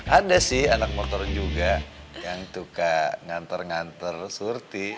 ada sih anak motor juga yang tukar ngantor ngantor surti